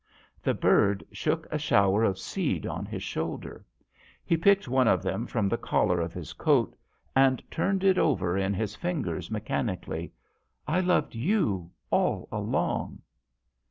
The bird shook a shower of seed on his shoulder. He picked one of them from the collar of his coat and turned it over in his 162 JO HN SHERMAN. fingers mechanically. " I loved you all along."